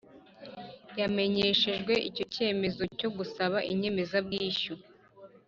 Yamenyesherejwe icyo cyemezo cyo gusaba inyemezabwishyu